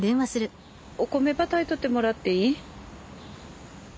お米ば炊いとってもらっていい？